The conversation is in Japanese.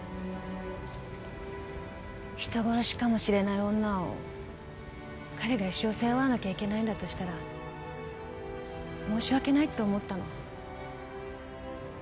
人殺しかもしれない女を彼が一生背負わなきゃいけないんだとしたら申し訳ないって思ったの。